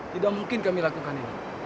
tidak mungkin kami lakukan ini